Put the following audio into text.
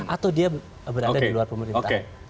atau dia berada di luar pemerintahan